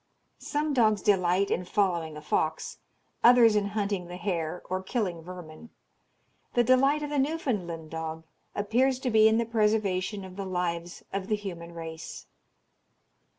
Some dogs delight in following a fox, others in hunting the hare, or killing vermin. The delight of the Newfoundland dog appears to be in the preservation of the lives of the human race.